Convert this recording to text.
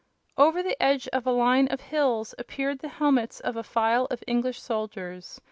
Over the edge of a line of hills appeared the helmets of a file of English soldiers.